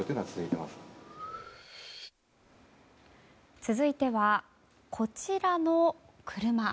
続いては、こちらの車。